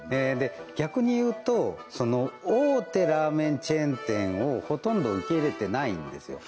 逆に言うと大手ラーメンチェーン店をほとんど受け入れてないんですよ